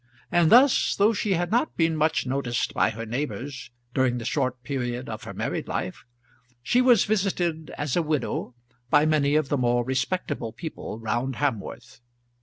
And thus, though she had not been much noticed by her neighbours during the short period of her married life, she was visited as a widow by many of the more respectable people round Hamworth.